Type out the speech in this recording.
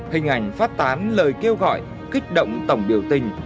hình ảnh phát tán lời kêu gọi kích động tổng biểu tình